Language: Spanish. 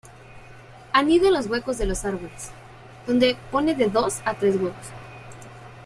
Anida en los huecos de los árboles, donde pone de dos a tres huevos.